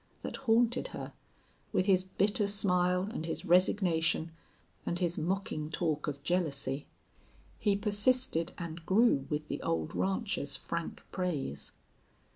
that haunted her with his bitter smile and his resignation and his mocking talk of jealousy. He persisted and grew with the old rancher's frank praise.